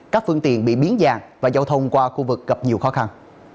các phương tiện bị biến dạng và giao thông qua khu vực gặp nhiều khó khăn